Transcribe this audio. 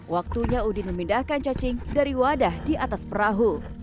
waktunya udin memindahkan cacing dari wadah di atas perahu